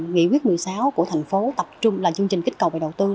nghị quyết một mươi sáu của thành phố là chương trình kích cầu về đầu tư